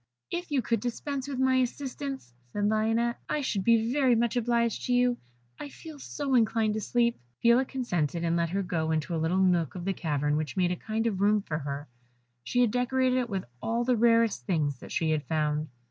"If you could dispense with my assistance," said Lionette, "I should be very much obliged to you; I feel so inclined to sleep." Phila consented, and let her go into a little nook of the cavern which made a kind of room for her. She had decorated it with all the rarest things that she had found.